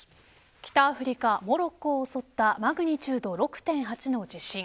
北アフリカ・モロッコを襲ったマグニチュード６．８の地震。